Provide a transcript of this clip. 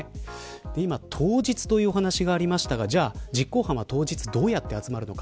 今、当日というお話がありましたがじゃあ実行犯は当日どうやって集まるのか。